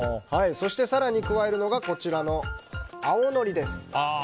そして更に加えるのが青のりです。